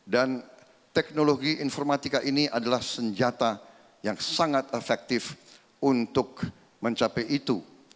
dan teknologi informatika ini adalah senjata yang sangat efektif untuk mencapai itu